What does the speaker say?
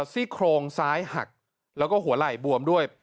ซี่โครงซ้ายหักแล้วก็หัวไหล่บวมด้วย